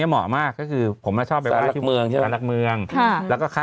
เยอะ